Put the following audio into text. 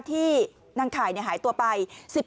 ที่นางข่ายหายตัวไป